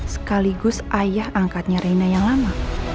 sekaligus ayah angkatnya reina yang lama